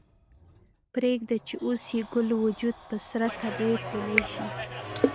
پریږده چې اوس یې ګل وجود په سره تبۍ پولۍ شي